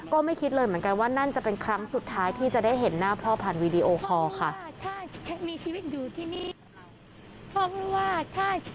ก็ไม่คิดเลยเหมือนกันว่านั่นจะเป็นครั้งสุดท้ายที่จะได้เห็นหน้าพ่อผ่านวีดีโอคอร์ค่ะ